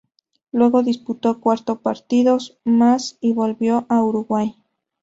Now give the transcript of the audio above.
Luego disputó cuarto partidos más y volvió a Uruguay.